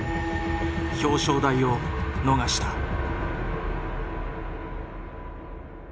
表彰台を逃した。